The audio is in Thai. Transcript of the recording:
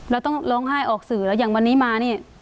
เราต้องร้องไห้ออกสื่อแล้วอย่างวันนี้มานี่